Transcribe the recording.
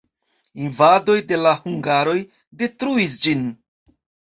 Invadoj de la hungaroj detruis ĝin.